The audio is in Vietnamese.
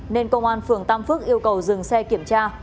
nên công an phường tam phước yêu cầu dừng xe kiểm tra